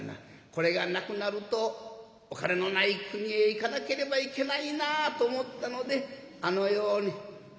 これがなくなるとお金のない国へ行かなければいけないなと思ったのであのように」。